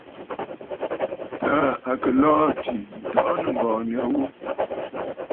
Taà à kɨ̀ lɔ̀ɔ̂ àtì ǹtɔʼɔ nɨ̂ŋgɔ̀ɔ̀ nya ghu.